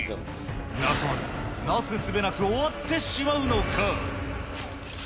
中丸、なすすべなく終わってしまうのか。